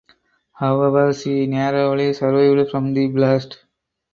However she narrowly survived from the blast.